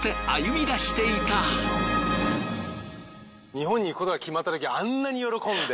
日本に行くことが決まったときあんなに喜んで。